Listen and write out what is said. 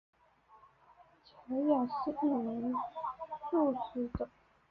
乔雅是一名素食者。